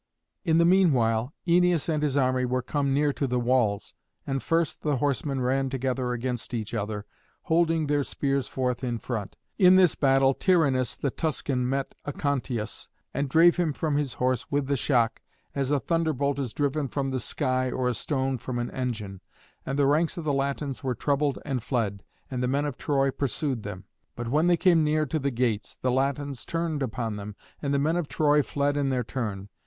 In the meanwhile Æneas and his army were come near to the walls. And first the horsemen ran together against each other, holding their spears forth in front. In this battle Tyrrhenus the Tuscan met Aconteus, and drave him from his horse with the shock, as a thunderbolt is driven from the sky or a stone from an engine; and the ranks of the Latins were troubled and fled, and the men of Troy pursued them; but when they came near to the gates the Latins turned upon them, and the men of Troy fled in their turn.